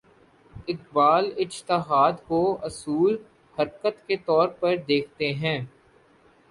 اقبال اجتہاد کو اصول حرکت کے طور پر دیکھتے ہیں۔